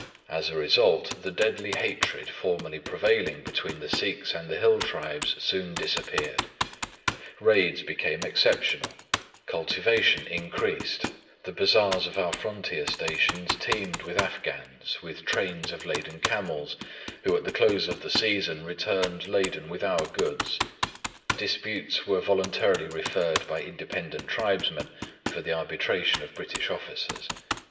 As a result, the deadly hatred formerly prevailing between the Sikhs and the hill tribes soon disappeared; raids became exceptional; cultivation increased; the bazaars of our frontier stations teemed with Afghans, with trains of laden camels, who at the close of the season returned laden with our goods. Disputes were voluntarily referred by independent tribesmen for the arbitration of British officers.